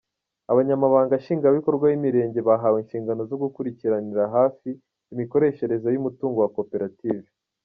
Abanyamabanga nshingwabikorwa b’imirenge bahawe inshingano zo gukurikiranira hafi imikoreshereze y’umutungo wa koperative.